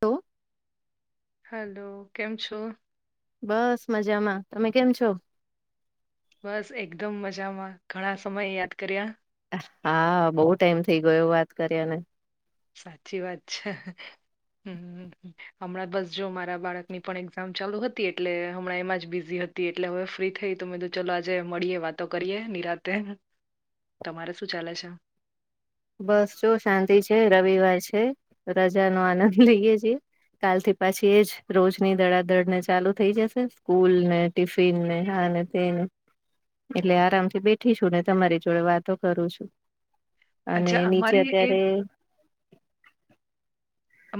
લો hello કેમ છો? બસ મજામાં. તમે કેમ છો? બસ એકદમ મજામાં. ઘણા સમયે યાદ કર્યા? હા બહુ ટાઈમ થઇ ગયો વાત કર્યા ને. સાચી વાત છે. હમ હમ હમણાં બસ જો મારા બાળકની પણ એક્ઝામ ચાલુ હતી એટલે હમણાં એમાં જ બિઝી હત તી એટલે હવે ફ્રી થઈ તો મેં કીધું ચલો આજે મળીએ, વાતો કરીએ નિરાતે. તમારે શું ચાલે છે? બસ જો શાંતિ છે, રવિવાર છે. રજાનો આનંદ લઈએ છીએ. કાલથી પાછી એ જ રોજની દડાદડને ચાલુ થઈ જશે સ્કૂલને ટિફિનને, આને તેને એટલે આરામથી બેઠી છું, ને તમારી જોડે વાતો કરું છું. અને અચ્છા નીચે અમારી એ અત્યારે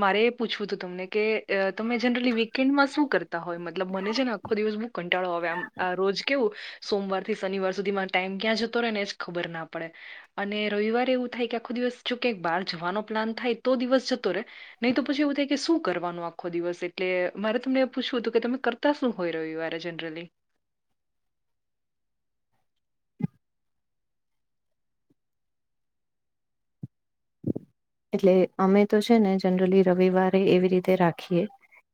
મારે એ પૂછવું તું તમને કે અ તમે જનરલી વીકેન્ડમાં શું કર તા હોય મતલબ મને છે ને આખો દિવસ બહુ કંટાળો આવે આમ આ રોજ કેવું સોમવારથી શનિવાર સુધીમાં ટાઈમ ક્યાં જતો રે ને એજ ખબર ના પડે. અને રવિવારે એવું થાય કે આખો દિવસ જો ક્યાંક બાર જવાનો પ્લાન થાય તો દિવસ જતો રે. નહીં તો પછી એવું થાય કે શું કરવાનું આખો દિવસ એટલે મારે તમને એ પૂછવું તું કે તમે કર તા શું હોય રવિવારે જનરલી? એટલે અમે તો છે ને જનરલી રવિવારે એવી રીતે રાખીએ.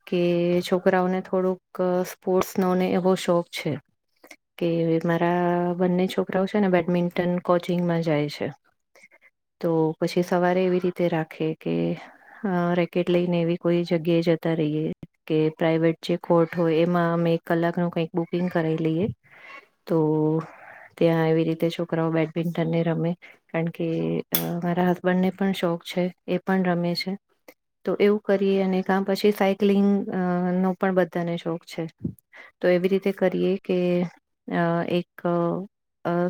કે છોકરાઓને થોડુંક સ્પોર્ટ્સનો ને એવો શોખ છે. કે મારા બંને છોકરાઓ છે ને બેડમિન્ટન કોચિંગમાં જાય છે. તો પછી સવારે એવી રીતે રાખે કે અ રેકેટ લઈને એવી કોઈ જગ્યાએ જતા રહીએ કે પ્રાઈવેટ જે કોર્ટ હોય એમાં અમે કલાકનું કંઈક બુકિંગ કરાઈ લઈએ તો ત્યાં એવી રીતે છોકરાઓ બેડમિન્ટન ને રમે. કારણ કે અ મારા હસબન્ડને પણ શોખ છે. એ પણ રમે છે. તો એવું કરીએ અને કા પછી સાયક્લિંગ અ નો પણ બધાને શોખ છે. તો એવી રીતે કરીએ કે અ એક અ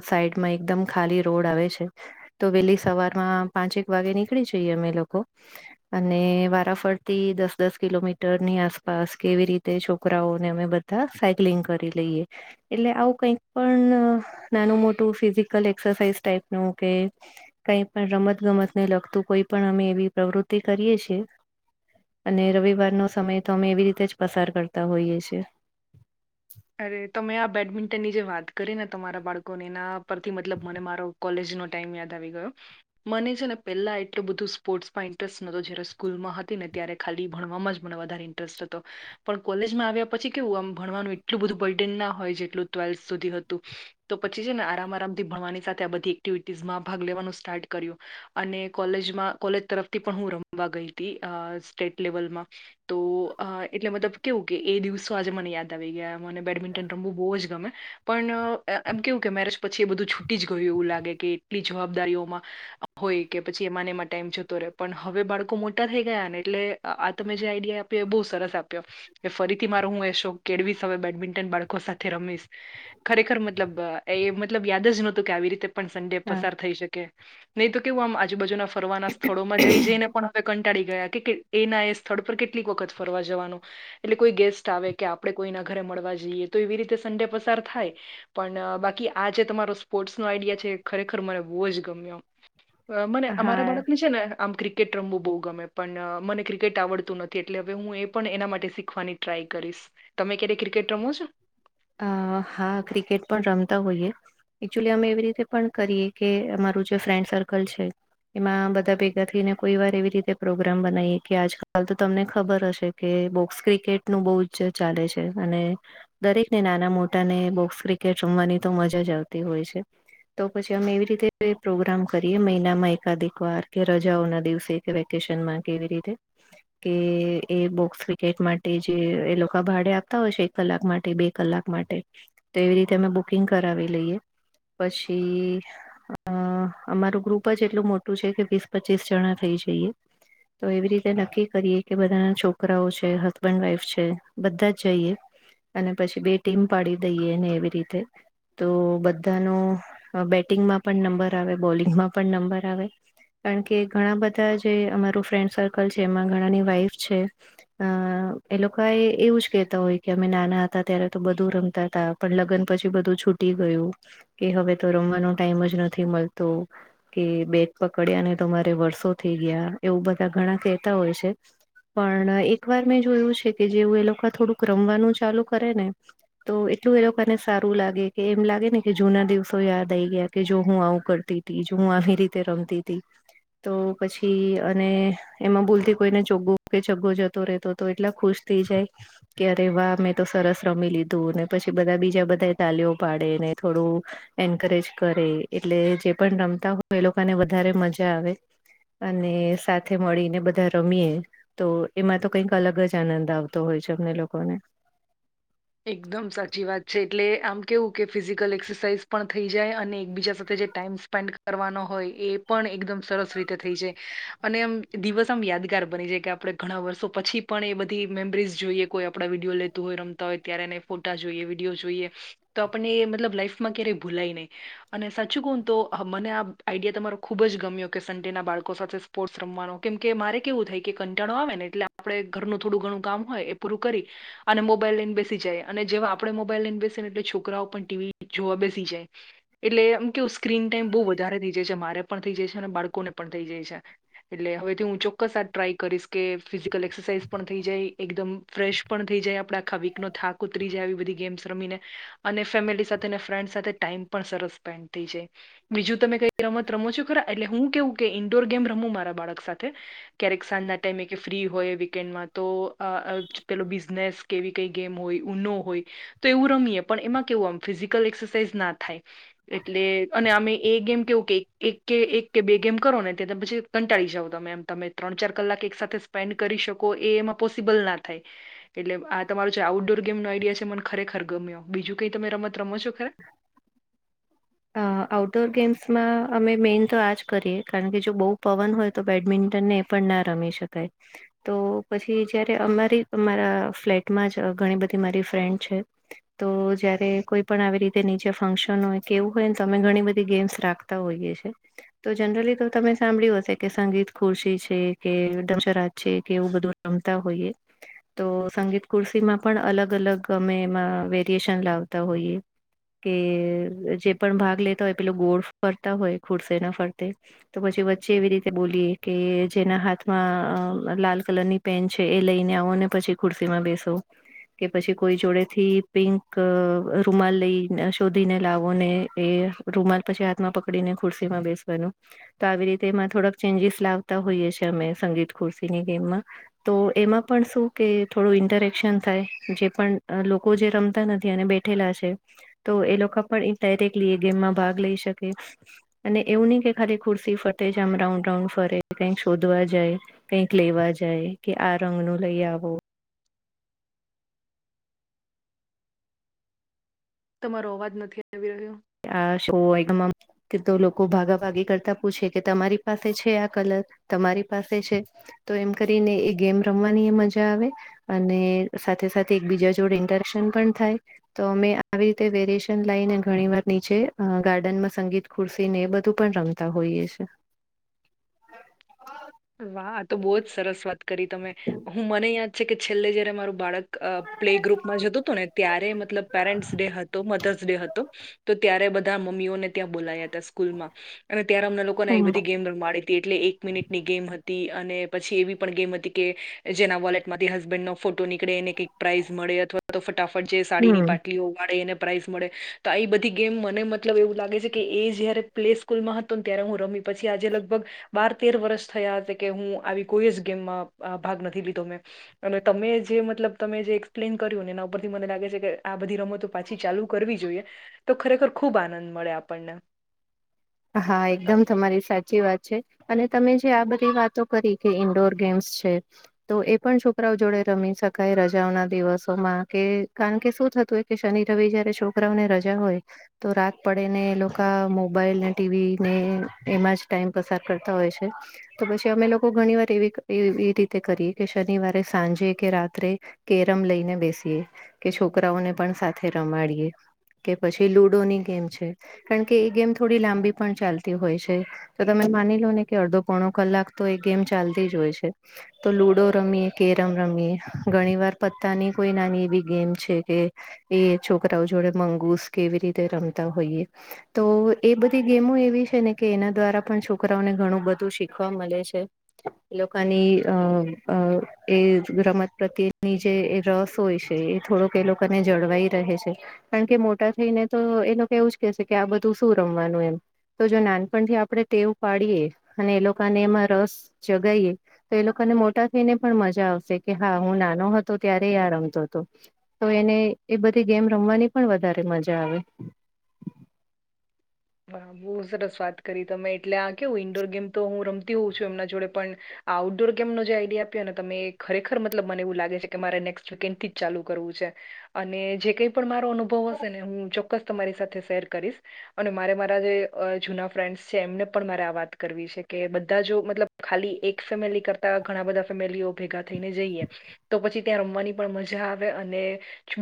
સાઈડમાં એકદમ ખાલી રોડ આવે છે. તો વહેલી સવારમાં પાંચેક વાગે ની કળી જઇએ અમે લોકો. અને વારાફરથી દસ દસ કિલોમીટરની આસપાસ કે એવી રીતે છોકરાઓને અમે બધ ધા સાયક્લિંગ કરી લઈએ. એટલે આવું કંઈક પણ નાનું મોટું ફિઝિકલ એક્સરસાઇઝ ટાઈપનું કે કઈ પણ રમત ગમતને લગતું કોઈ પણ અમે એવી પ્રવૃતિ કરીએ છીએ. અને રવિવારનો સમય તો અમે એવી રીતે જ પસાર કરતા હોઈએ છીએ. અરે તમે આ બેડમિન્ટનની જે વાત કરીને તમારા બાળકોને એના પરથી મતલબ મને મારો કોલેજનો ટાઈમ યાદ આવી ગયો. મને છે ને પેલા એટલું બધું સ્પોર્ટ્સમાં ઇન્ટરેસ્ટ નતો જય્યારે સ્કૂલમાં હતી ને ત્યારે ખાલી ભણવામાં જ પણ વધારે ઇન્ટરેસ્ટ હતો પણ કોલેજમાં આવ્યા પછી કેવું આમ ભણવાનું એટલું બધું બર્ડેન ના હોય જેટલું ટ્વેલ્થ સુધી હતું તો પછી છે ને આરામ આરામથી ભણવાની સાથે આ બધી એક્ટિવિટીઝમાં ભાગ લેવાનું સ્ટાર્ટ કર્યું. અને કોલેજમાં કોલેજ તરફથી પણ હું રમવા ગઈ તી અ સ્ટેટ લેવલમાં. તો અ એટલે મતલબ કેવું કે એ દિવસો આજે મને યાદ આવી ગયા. મને બેડમિન્ટન રમવું બહુ જ ગમે. પણ અ આમ કેવું કે મેરેજ પછી એ બધું છૂટી જ ગયું એવું લાગે કે એટલી જવાબદારીઓમાં હોય કે પછી એમાંને એમાં ટાઈમ જતો રહે પણ હવે બાળકો મોટા થઈ ગયા ને એટલે આ તમે જે આઈડિયા આપ્યો એ બહુ સરસ આપ્યો કે ફરીથી મારો હું એ શોક કેળવી બેડમિન્ટન બાળકો સાથે રમીશ ખરેખર મતલબ એ મતલબ યાદ જ નહોતું કે આવી રીતે પણ સંડે પસાર હા થઈ શકે નહી તો કેવું આમ આજુબાજુના ફરવાના સ્થળોમાં જઈ જઈ ને પણ કંટાળી ગયા કે એના એ સ્થળ પર કેટલીક વખત ફરવા જવાનું. એટલે કોઈ ગેસ્ટ આવે કે આપણે કોઈના ઘરે મળવા જઈએ તો એવી રીતે સન્ડે પસાર થાય. પણ બાકી આ જે તમારો સ્પોર્ટ્સ નો આઈડિયા છે ખરેખર મને બોહ જ ગમ્યો એમ. મને અમારા હા. બાળક ને છે ને આમ ક્રિકે ક્રિકેટ રમવું બહુ ગમે પણ મને ક્રિકેટ આવડતું નથી એટલે હવે હું એ પણ એના માટે શીખવાની ટ્રાય કરીશ. તમે ક્યારે ક્રિકેટ રમો છો? હ હા ક્રિકેટ પણ રમતા હોઈએ. એકચુલી અમે એવી રીતે પણ કરીએ કે અમારું જે ફ્રેન્ડ સર્કલ છે. એમાં બધા ભેગા થઈને કોઈ વાર એવી રીતે પ્રોગ્રામ બનાવીએ કે આજકાલ તો તમને ખબર હશે. કે બોક્સ ક્રિકેટનું બોહ જ ચાલે છે અને દરેક ને નાના મોટા ને બોક્સ ક્રિકેટ રમવાની તો મજા આવતી હોય છે. તો પછી અમે એવી રીતે પ્રોગ્રામ કરીએ મહિનામાં એકાદ વાર કે રજાઓ ના દિવસે વેકેેશનમાં કે એવી રીતે કે એ બોક્સ ક્રિકેટ માટે જે એ લોકો ભાડે આપતા હોય છે એક કલાક માટે બે કલાક માટે તો એવી રીતે અમે બુકિંગ કરાવી લઈએ પછી અ અમારું ગ્રુપ જ એટલું મોટું છે કે વીસ પચીસ જણા થઇ જઈએ. તો એવી રીતે નક્કી કરીએ કે બધાના છોકરાઓ છે હસબન્ડ વાઈફ છે બધા જ જઈએ. અને પછી બે ટીમ પાડી દઈએ ને એવી રીતે. તો બધાનો બેટિંગમાં પણ નંબર આવે બોલિંગમાં પણ નંબર આવે. કારણ કે ઘણા બધા જે અમારું ફ્રેન્ડ સર્કલ છે એમાં ઘણાની વાઈફ છે. એ લોકો એ એવું જ કેહેતા હોય કે અમે નાના ત્યારે તો બધું રમતા હતા પણ લગ્ન પછી બધું છૂટી ગયું. કે હવે તો રમવાનો ટાઈમ જ નથી મળતો. કે બેટ પકડ્યા ને તમારે વર્સો થઈ ગયા એવું બધા ઘણા કેતા હોય છે. પણ એક વાર મેં જોયું છે કે જેવુ એ લોકો થોડુંક રમવાનું ચાલુ કરે ને તો એટલું એ લોકોને સારું લાગે કે એમ લાગે ને કે જૂના દિવસો યાદ આઈ ગયા કે જો હું આવું કરતી. તી જો હું આવી રીતે રમતી હતી. તો પછી અને એમાં ભૂલતી કોઈને ચોગ્ગો કે છગ્ગો જતો રહેતો તો એટલા ખુશ થઈ જાય કે અરે વાહ મે તો સરસ રમી લીધું ને પછી બધા બીજા બધા તાલીઓ પાડે ને થોડું એન્કરેજ કરે એટલે જે પણ રમતા હોય એ લોકોને વધારે મજા આવે. અને સાથે મળીને બધા રમીએ. તો એમાં તો કંઈક અલગ જ આનંદ આવતો હોય છે અમને લોકોને એકદમ સાચી વાત છે એટલે આમ કેવું કે ફિઝિકલ એક્સરસાઇઝ પણ થઈ જાય અને એકબીજા સાથે જે ટાઈમ સ્પેન્ડ કરવાનો હોય એ પણ એકદમ સરસ રીતે થઈ જાય અનેમ દિવસ આમ યાદગાર બની જાય કે આપણે ઘણા વર્ષો પછી પણ એ બધી મેમરીઝ જોઈએ કોઈ આપણા વિડીયો લેતું હોય રમતા હોય તો ત્યારે ફોટા જોઈએ વિડીયો જોઈએ તો આપણને મતલબ લાઈફમાં ક્યારેય ભૂલાય નહીં અને સાચું કોને તો મને આ આઈડિયા તમારો ખૂબ જ ગમ્યો કે સન્ડેના બાળકો સાથે રમવાનો કેમ કે મારે કેવું થાય કે કંટાળો આવેને એટલે આપણે ઘરનું થોડું ઘણું કામ હોય એ પૂરું કરી. અને મોબાઈલ બે બેસી જાય અને જેવા આપડે મોબાઈલ લઈને બેસે એટલે છોકરાઓ પણ ટીવી જોવા બેસી જાય. એટલે એમ કેવું સ્ક્રીન ટાઈમ બહુ વધારે થઇ જાય છે મારે પણ થઇ જાય છે અને બાળકોને પણ થઇ જાય છે. એટલે હવેથી હું ચોક્કસ આ ટ્રાય કરીશ કે ફિઝિકલ એક્સરસાઇઝ પણ થઈ જાય એકદમ ફ્રેશ પણ થઈ જાય આપણા આખા વીક નો થાક ઉતરી જાય આવી બધી ગેમ્સ રમીને. અને ફેમિલી સાથે ફ્રેન્ડ સાથે ટાઈમ પણ સરસ સ્પેન્ડ થઈ જાય. બીજું તમે કઈ રમત રમો છો ખરા? એટલે હું કેવું કે ઈન્ડોર ગેમ રમું મારા બાળક સાથે ક્યારેક સાંજના ટાઈમે કે ફ્રી હોય વીકેન્ડમાં તો પેલો બિઝનેસ કે એવી કઈ ગેમ હોય ઉનો હોય તો એવું રમીએ પણ એમાં કેવું આમ ફિઝિકલ એક્સરસાઇઝ ના થાય. એટલે અને અમે એ ગેમ કેવું કે એક કે એક કે બે ગેમ કરો ને તે પછી કંટાળી જાવ તમે એમ તમે ત્રણ ચાર કલાક એક સાથે સ્પેન્ડ કરી શકો એ એમાં પોસિબલ ના થાય. એટલે આ તમારો જે આઉટડોર ગેમ નો આઈડિયા છે મને ખરેખર ગમ્યો બીજું કઈ તમે રમત રમો છો ખરા? આઉટડોર ગેમ્સમાં અમે મેઇન તો આ જ કરીએ કારણ કે જો બહુ પવન હોય તો બેડમિન્ટનને પણ ના રમી શકાય. તો પછી જયારે અમારી અમારા ફ્લેટમાં જ ઘણી બધી મારી ફ્રેન્ડ છે. તો જયારે કોઈ પણ આવી રીતે નીચે ફંક્શન હોય કેવું હોય ને તમે ઘણી બધી ગેમ્સ રાખતા હોઈએ છીએ. તો જનરલી તો તમે સાંભળ્યું હશે કે સંગીત ખુરશી છે કે દશરાજ છે કે એવું બધું રમતા હોઈએ. તો સંગીત કુર્સી માં પણ અલગ અલગ અમે એમાં વેરિએશન લાવતા હોઈએ. કે જે પણ ભાગ લેતા હોય પેલો ગોળ ફરતા હોય ખુરસે ના ફરતે તો પછી વચ્ચે એવી રીતે બોલીએ કે જેના હાથમાં અ લાલ કલરની પેન છે એ લઈને આવો અને પછી ખુરશી માં બેસો. કે પછી કોઈ જોડે થી પિંક રૂમાલ લઈ શોધીને લાવો. ને એ રૂમાલ પછી હાથમાં પકડીને ખુરશી માં બેસવાનું. તો આવી રીતે એમાં થોડાક ચેન્જીસ લાવતા હોઈએ છીએ અમે સંગીત ખુરશીની ગેમમાં. તો એમાં પણ શું કે થોડું ઇન્ટરેક્શન થાય જે પણ લોકો જે રમતા નથી અને ઠેલા છે તો એ લોકો પણ ડાયરેક્ટલી એ ગેમમાં ભાગ લઈ શકે. અને એવું નહીિ કે ખા ખુરશી ફટે જ આમ રાઉન્ડ રાઉન્ડ ફરે કઈક શોધવા જાય. કઈક લેવા જાય કે આ રંગ નુ લઈ આવો. તમારો અવાજ નથી આવી રહ્યો. આ શું હોય? કે તો લોકો ભાગાભાગી કરતા પૂછે કે તમારી પાસે છે આ કલર તમારી પાસે છે. તો એમ કરીને એ ગેમ રમવાની એ મજા આવે અને સાથે સાથે એકબીજા જોડે ઇન્ટરેક્શન પણ થાય. તો અમે આવી રીતે વેરએશન લઈને ઘણી વાર નીચે ગાર્ડનમાં સંગીત ખુરસી ને એ બધું પણ રમતા હોઈએ છે. વાહ તો બહુ જ સરસ વાત કરી તમે. હું મને યાદ છે કે છેલ્લે જયારે મારું બાળક પ્લે ગ્રુપમાં જતું હતું ને ત્યારે મતલબ પેરેન્ટસ ડે હતો મધર્સ ડે હતો તો ત્યારે બધા મમ્મીઓને ત્યાં બોલાયા હતા સ્કૂલમાં. અને ત્યારે હમં લોકોને એ હમ બધી ગેમ મળડી હતી એટલે એક મિનિટ ની ગેમ હતી અને પછી એવી પણ ગેમ હતી કે જેના વોલેટ માંથી હસબેન્ડ નો ફોટો નીકળે ને કઈક પ્રાાઈઝ મળે અથવા તો ફટાફટ જે સાડીની હમ પાટલીઓ વાળે એને પ્રાઈઝ મળે તો આ બધી ગેમ મને મતલબ એવું લાગે છે કે એ જયારે પ્લે સ્કૂલમાં ત્યારે હું રમી પછી આજે લગભગ બાર તેર વર્ષ થયા હતા કે હું આવી કોઈ જ ગેમમાં ભાગ નથી લીધો મેં. અને તમે જે મતલબ તમે જે એક્સપ્લેન કર્યું ને એના પરથી મને લાગે છે કે આ બધી રમતો પાછી ચાલુ કરવી જોઈએ તો ખરેખર ખુબ આનંદ મળે આપણને. હા એકદમ તમારી સાચી વાત છે. અને તમે જે આ બધી વાતો કરી કે ઇન્ડોર ગેમ્સ છે. તો એ પણ છોકરાઓ જોડે રમી શકાય રજાઓના દિવસોમાં કે કારણ કે શું થતું કે શનિ રવિ જયારે છોકરાઓને રજા હોય તો રાત પડે ને એ લોકો મોબાઈલ નેટ ટીવી ને એમાં જ ટાઈમ પસાર કરતા હોય છે. તો પછી અમે લોકો ઘણી વાર એવી એ રીતે કરીએ કે શનિવારે સાંજે કે રાત્રે કેરમ લઈને બેસીએ કે છોકરાઓને પણ સાથે રમાડીએ કે પછી લુડોની ગેમ છે કારણ કે એ ગેમ થોડી લાંબી પણ ચાલતી હોય છે તો તમે માની લો ને કે અડધો પોણો કલાક તો એ ગેમ ચાલતી જ હોય છે તો લૂડો રમીએ, કેરમ રમીએ, ઘણી વાર પત્તાની કોઈ નાની એવી ગેમ છે, કે એ છોકરાઓ જોડે મંગુસ કેવી રીતે રમતા હોઈએ, તો એ બધ તે ગેમો એવી છે ને કે એના દ્વારા પણ છોકરાઓને ઘણું બધું શીખવા મલે છે. એ લોકોની અ એ રમત પ્રત્યેની જે રસ હોય છે એ થોડોક એ લોકોને જળવાઈ રહે છે. કારણ કે મોટા થઈ ને તો એ લોકો એવું જ કેશે કે આ બધું શું રમ તો જો નાનપણથી આપણે ટેવ પાડીએ અને એ લોકોને એમાં રસ જગાઇએ એ લોકોને મોટા થઈને પણ મજા આવશે કે હા, હું નાનો હતો ત્યારે આ રમતો હતો. તો એને એ બધી ગેમ રમવાની પણ વધારે મજા આવે. હા, બહુ સરસ વાત કરી તમે એટલે આ કેવું ઇન્ડોર ગેમ તો હું રમતી હોઉં છું એમના જોડે પણ આઉટડોર ગેમનો જે આઈડિયા આપ્યો ને તમે એ ખરેખર મતલબ મને એવું લાગે છે કે મારે નેક્સ્ટ વીકેન્ડ થી જ ચાલુ કરવું છે. અને જે કઈ પણ મારો અનુભવ હશે ને હું ચોક્કસ તમારી સાથે શેર કરીશ અને મારે મારા જે જૂના ફ્રેન્ડ્સ છે, એમને પણ મારે આ વાત કરવી છે કે બધા જો મતલબ ખાલી એક ફેમિલી કરતા ઘણા બધા ફેમિલીઓ ભેગા થઈને જઈએ તો પછી ત્યાં રમવાની પણ મજા આવે અને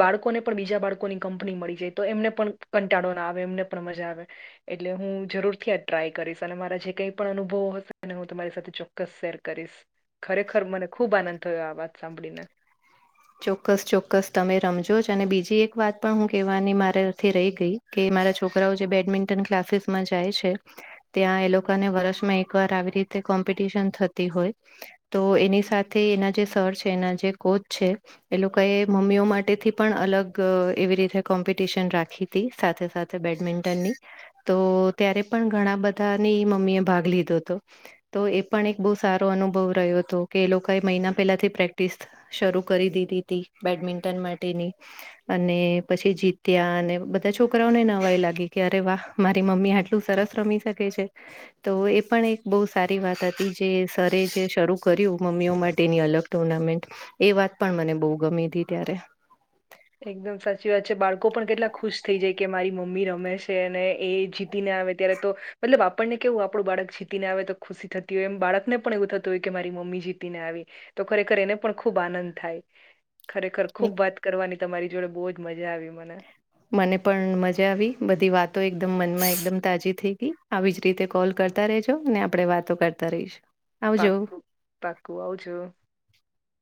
બાળકોને પણ બીજા બાળકોની કંપની મળી જાય તો એમને પણ કંટાળો ના આવે એમને પણ મજા આવે. એટલે હું જરૂરથી આ ટ્રાય કરીશ અને મારા જે કઈ પણ અનુભવો હશેને હું તમારી સાથે ચોક્કસ શેર કરીશ. ખરેખર મને ખુબ આનંદ થયો આ વાત સાંભળીને ચોક્કસ, ચોક્કસ તમે રમજો જ અને બીજી એક વાત પણ હું કેવાની મારાથી રહી ગઈ કે મારા છોકરાઓ જે બેડમિન્ટન ક્લાસીસમાં જાય છે ત્યાં એ લોકોને વર્ષમાં એક વાર આવી રીતે કોમ્પિટિશન થતી હોય તો એની સાથે એના જે સર છે એના જે કોચ છે એ લોકોએ મમ્મીઓ માટેથી પણે અલગ એવી રીતે કોમ્પિટિશન રાખી સાથે સાથે બેડમિન્ટનની તો ત્યારે પણ ઘણા બધાની મમ્મી એ ભાગ લીધો હતો તો એ પણ એક બહુ સારો અનુભવ રહ્યો હતો કે એ લોકોએ મહિના પહેલાથી પ્રેક્ટિસ શરૂ કરી દીધી તી, બેડમિન્ટન માટેની અને પછી જીત્યા અને બધા છોકરાઓને નવાઈ લાગી કે અરે વાહ મારી મમ્મી આટલી સરસ રમી શકે છે તો એ પણ એક બહુ સારી વાત હતી જે સરે જે શરૂ કર્યું મમ્મીઓ માટેની અલગ ટુર્નામેન્ટ એ વાત પણ મને બહુ ગમી તી ત્યારે એકદમ સાચી વાત છે બાળકો પણ કેટલા ખુશ થઇ જાય કે મારી મમ્મી રમે એ જીતીને આવે ત્યારે તો મતલબ, આપણને કેવું આપણું બાળક જીતીને આવે તો ખુશી થતી હોય એમ બાળકને પણ એવું થતું હોય કે મારી મમ્મી જીતી ને આવી તો ખરેખર એને પણ ખૂબ આનંદ થાય ખરેખર ખુબ વાત કરવાની તમારી જોડે બહુ જ મજા આવી મને મને પણ મજા આવી બધી વાતો એકદમ મનમાં એકદમ તાજી થઈ ગઈ આવી જ રીતે કોલ કરતા રેજો ને આપણે વાતો કરતા રહીશું આવજો પાકું, પાકું, આવજો.